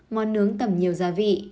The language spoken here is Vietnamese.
món nướng tẩm nhiều gia vị